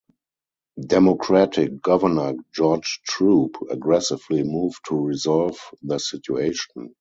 Democratic Governor George Troup aggressively moved to resolve the situation.